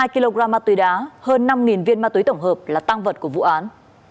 hai kg ma túy đá hơn năm viên ma túy tổng hợp là tăng vật của vụ án